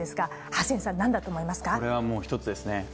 これはもう１つですね。